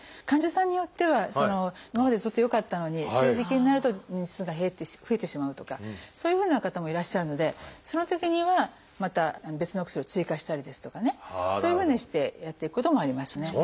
患者さんによっては今までずっと良かったのにそういう時期になると日数が増えてしまうとかそういうふうな方もいらっしゃるのでそのときにはまた別のお薬を追加したりですとかねそういうふうにしてやっていくこともありますね。